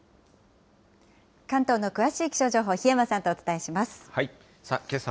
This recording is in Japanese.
関東の詳しい気象情報、檜山さんとお伝えします。